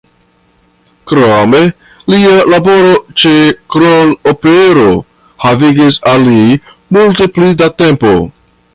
Krome lia laboro ĉe Kroll-opero havigis al li multe pli da tempo.